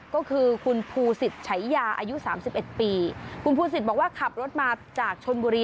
ก็คือคุณภูสิตฉายาอายุสามสิบเอ็ดปีคุณภูสิตบอกว่าขับรถมาจากชนบุรี